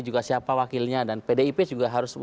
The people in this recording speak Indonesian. juga siapa wakilnya dan pdip juga harus